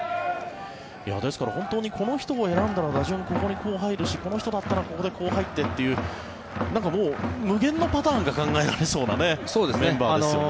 ですから本当にこの人を選んだら打順、ここに入るしこの人だったらここでこう入ってというもう無限のパターンが考えられそうなメンバーですね。